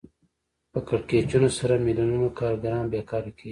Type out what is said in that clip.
په کړکېچونو سره میلیونونو کارګران بېکاره کېږي